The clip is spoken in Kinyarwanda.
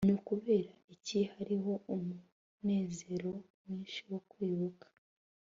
ni ukubera iki hariho umunezero mwinshi wo kwibuka